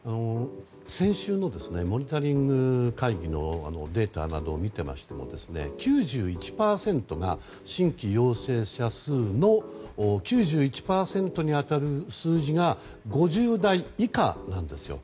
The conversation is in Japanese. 先週のモニタリング会議のデータなどを見ていましても新規陽性者数の９１％に当たる数字が５０代以下なんですよ。